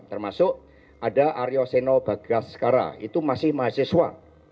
termasuk ada aryo senobagaskara itu masih mahasiswa